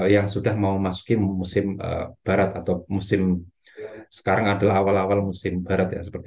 yang sudah mau masuki musim barat atau musim sekarang adalah awal awal musim barat